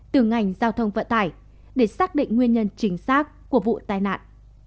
từ ngành giao thông vận tải để xác định nguyên nhân chính xác của vụ tai nạn